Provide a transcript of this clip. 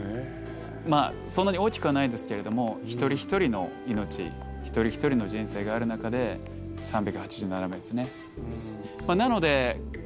まあそんなに大きくはないですけれども一人一人の命一人一人の人生がある中で３８７名ですね。